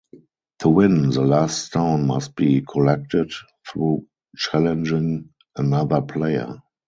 To win, the last stone must be collected through challenging another player.